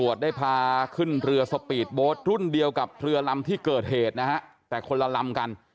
วันนี้หายกังวลแล้วใช่ไหมคะ